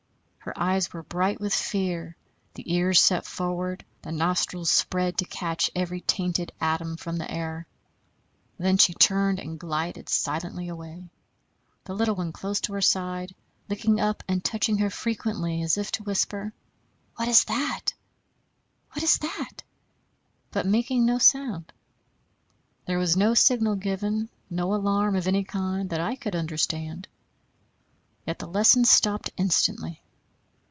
Her eyes were bright with fear, the ears set forward, the nostrils spread to catch every tainted atom from the air. Then she turned and glided silently away, the little one close to her side, looking up and touching her frequently as if to whisper, What is it? what is it? but making no sound. There was no signal given, no alarm of any kind that I could understand; yet the lesson stopped instantly.